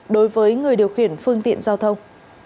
đối với người điều khiển phương tiện giao thông